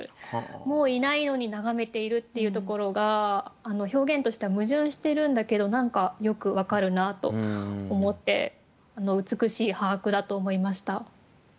もういないのに眺めているっていうところが表現としては矛盾してるんだけど何かよく分かるなと思って美しい把握だと思いました。